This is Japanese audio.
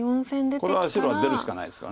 これは白は出るしかないですから。